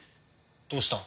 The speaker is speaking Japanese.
どうした？